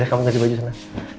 kamu kasih baju sana